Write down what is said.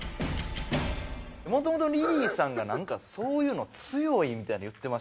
もともとリリーさんがなんかそういうの強いみたいに言ってましたよね。